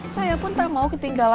saya pun tak mau ketinggalan